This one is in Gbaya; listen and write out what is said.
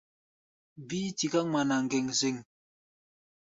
Bíí tiká ŋmana ŋgeŋzeŋ.